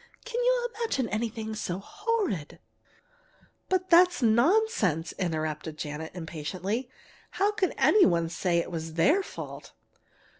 Can you imagine anything so horrid?" "Oh, but that's nonsense!" interrupted Janet impatiently. "How could any one say it was their fault?"